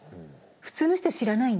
普通の人は知らないんだ。